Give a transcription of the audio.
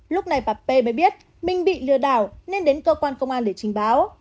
lúc này bà p mới biết mình bị lừa đảo nên đến cơ quan công an để trình báo